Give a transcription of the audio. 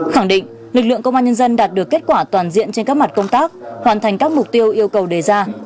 khẳng định lực lượng công an nhân dân đạt được kết quả toàn diện trên các mặt công tác hoàn thành các mục tiêu yêu cầu đề ra